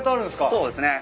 そうですね。